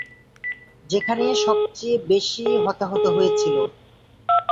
যেখানে সবচেয়ে বেশি হতাহত হয়েছিল।